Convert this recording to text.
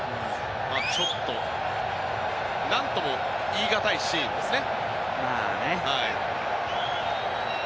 ちょっと何とも言いがたいシーンですね。